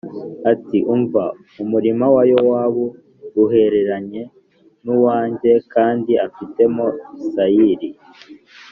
ati “Umva, umurima wa Yowabu uhereranye n’uwanjye kandi afitemo sayiri